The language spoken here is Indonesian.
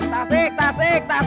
tasik tasik tasik